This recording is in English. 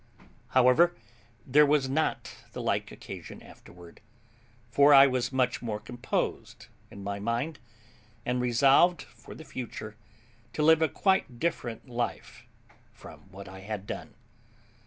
However, there was not the like occasion afterward; for I was much more composed in my mind, and resolved for the future to live a quite different life from what I had done.